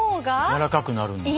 やわらかくなるんだ。